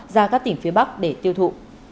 ra các tỉnh phía bắc để tiêu thụ